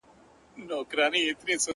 o راځي سبا ـ